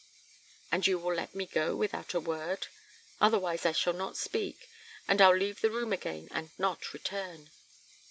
"And you will let me go without a word? Otherwise I shall not speak and I'll leave the room again and not return."